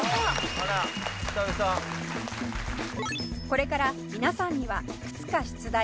これから皆さんにはいくつか出題